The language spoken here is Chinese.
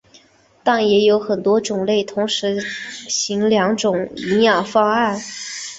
但也有很多种类同时行两种营养方式。